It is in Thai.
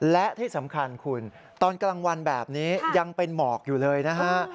และที่สำคัญคุณตอนกลางวันแบบนี้ยังเป็นหมอกอยู่เลยนะฮะ